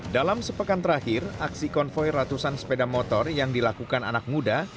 dalam sepekan terakhir aksi konvoy ratusan sepeda motor yang dilakukan anak muda